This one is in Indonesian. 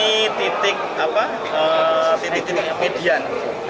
ini titik median